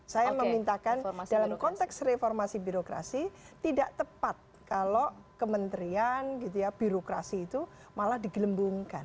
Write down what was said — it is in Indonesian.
saya memintakan dalam konteks reformasi birokrasi tidak tepat kalau kementerian gitu ya birokrasi itu malah digelembungkan